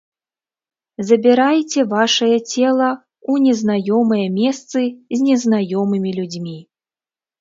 Забірайце вашае цела ў незнаёмыя месцы з незнаёмымі людзьмі.